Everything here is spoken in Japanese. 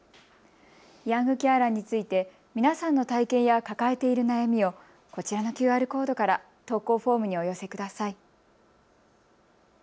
ヤングケアラーについて皆さんの体験や抱えている悩みをこちらのＱＲコードから投稿フォームにお寄せください。